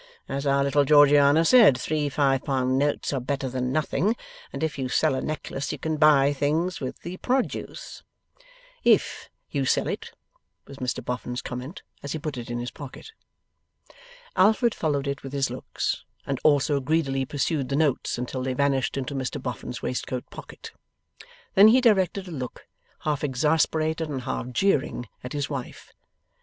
As our little Georgiana said, three five pound notes are better than nothing, and if you sell a necklace you can buy things with the produce.' 'IF you sell it,' was Mr Boffin's comment, as he put it in his pocket. Alfred followed it with his looks, and also greedily pursued the notes until they vanished into Mr Boffin's waistcoat pocket. Then he directed a look, half exasperated and half jeering, at his wife.